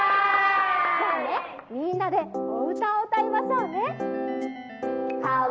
「じゃあねみんなでお歌を歌いましょうね」。